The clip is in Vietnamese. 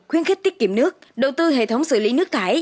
khuyến khích tiết kiệm nước đầu tư hệ thống xử lý nước thải